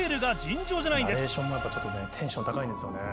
ナレーションもやっぱちょっとねテンション高いんですよね。